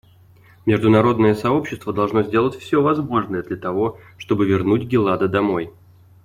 Международное сообщество должно сделать все возможное для того, чтобы вернуть Гилада домой.